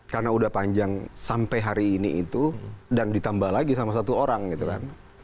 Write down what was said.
karena sudah panjang sampai hari ini itu dan ditambah lagi sama satu orang gitu kan